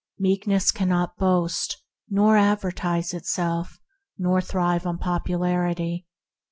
Meekness cannot boast, nor advertise itself, nor thrive on popularity.